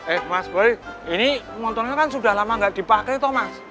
eh mas boy ini motornya kan sudah lama nggak dipakai tuh mas